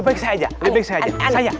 lebih baik saya aja